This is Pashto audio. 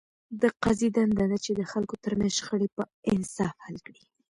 د قاضي دنده ده، چي د خلکو ترمنځ شخړي په انصاف حل کړي.